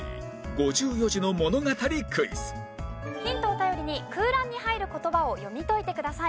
５４字の物語クイズヒントを頼りに空欄に入る言葉を読み解いてください。